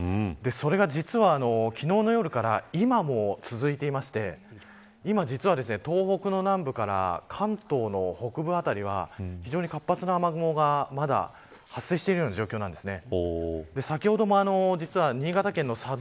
それが実は、昨日の夜から今も続いていまして今、実は東北の南部から関東の北部辺りは非常に活発な雨雲がまだ発生しているような状況なんですね。